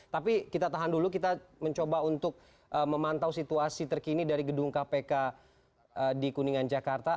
tapi kita tahan dulu kita mencoba untuk memantau situasi terkini dari gedung kpk di kuningan jakarta